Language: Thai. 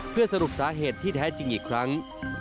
เพื่อสรุปสาเหตุที่แท้จริงอีกครั้ง